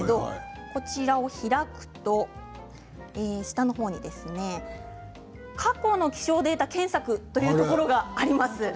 こちらを開くと下の方に過去の気象データ検索というところがあります。